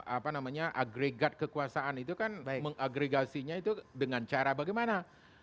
apa namanya agregat kekuasaan itu kan mengagregasinya itu dengan cara bagaimana